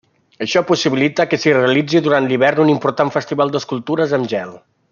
Això possibilita que s'hi realitzi durant l'hivern un important festival d'escultures amb gel.